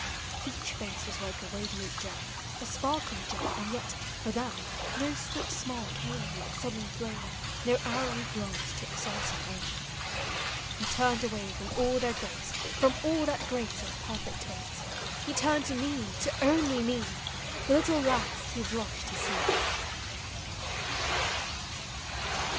Each face was like a radiant gem, A sparkling gem, and yet for them No swift smile came, like sudden (lame, No arrowy glance took certain aim. 208 no/: ms or no mi:. He turned away from all their grace, From all (hat grace of perfect face, He turned to me, to only me, The little lass who blushed to see!